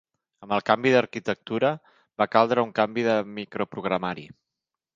Amb el canvi d'arquitectura, va caldre un canvi del microprogramari.